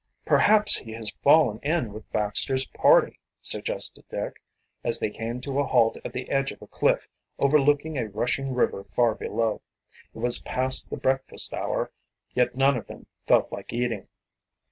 "Perhaps he has fallen in with Baxter's party," suggested Dick, as they came to a halt at the edge of a cliff overlooking a rushing river far below. It was past the breakfast hour, yet none of them felt like eating.